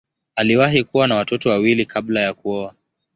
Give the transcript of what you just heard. Aliwahi kuwa na watoto wawili kabla ya kuoa.